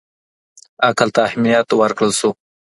عقل ته اهمیت ورکړل سو.